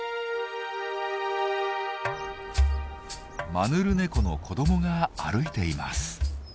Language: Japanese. マヌルネコの子どもが歩いています。